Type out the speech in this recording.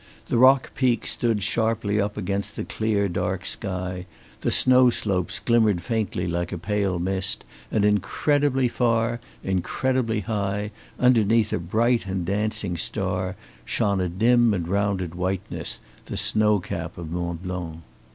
The rock peaks stood sharply up against the clear, dark sky, the snow slopes glimmered faintly like a pale mist, and incredibly far, incredibly high, underneath a bright and dancing star, shone a dim and rounded whiteness, the snow cap of Mont Blanc.